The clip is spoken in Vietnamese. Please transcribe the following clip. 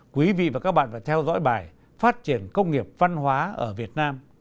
quý vị và các bạn phải theo dõi bài phát triển công nghiệp văn hóa ở việt nam